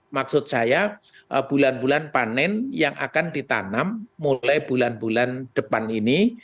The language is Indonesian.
maksud saya bulan bulan panen yang akan ditanam mulai bulan bulan depan ini